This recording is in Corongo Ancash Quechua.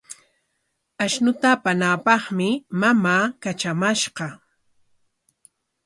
Ashnuta apanaapaqmi mamaa katramashqa.